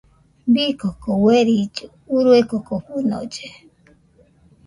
Bii koko uerilli urue koko fɨnolle.